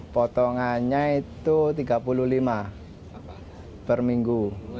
potongannya itu tiga puluh lima per minggu